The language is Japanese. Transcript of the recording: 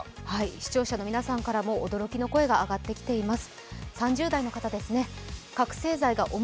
視聴者の皆さんからも驚きの声が上がってきています。